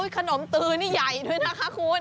ขนมตือนี่ใหญ่ด้วยนะคะคุณ